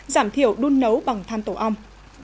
giảm thiểu đun nấu bằng than tổ ong